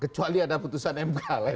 kecuali ada keputusan mk lainnya